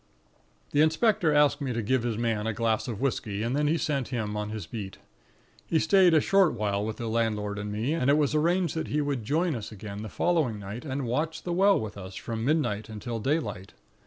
"The inspector asked me to give his man a glass of whisky, and then he sent him on his beat. He stayed a short while with the landlord and me, and it was arranged that he would join us again the following night and watch the Well with us from midnight until daylight.